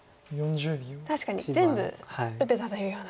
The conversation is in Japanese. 確かに全部打てたというような。